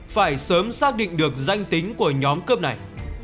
phải sớm xác định được danh tính của nhóm cướp này